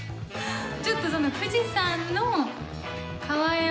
ちょっとその藤さんの。